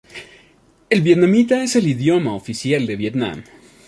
El vietnamita es el idioma oficial de Vietnam.